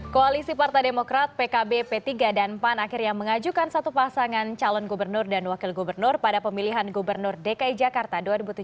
koalisi partai demokrat pkb p tiga dan pan akhirnya mengajukan satu pasangan calon gubernur dan wakil gubernur pada pemilihan gubernur dki jakarta dua ribu tujuh belas